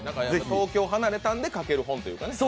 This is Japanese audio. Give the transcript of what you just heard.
東京、離れたんで書ける本というかね。